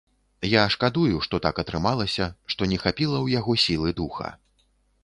Я шкадую, што так атрымалася, што не хапіла ў яго сілы духа.